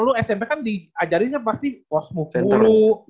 lu smp kan diajarinnya pasti posmu mulu